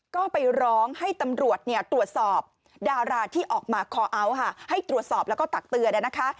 ก็ไปร้องให้ตำรวจตรวจสอบดาราที่ออกมาคอเอาท์ให้ตรวจสอบแล้วก็ตักเตือนนะคะ